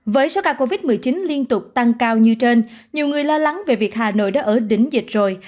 với số ca covid một mươi chín liên tục tăng cao như trên nhiều người lo lắng về việc hà nội đã ở đỉnh dịch rồi